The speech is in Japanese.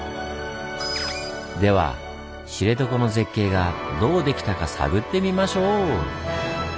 では知床の絶景がどうできたか探ってみましょう！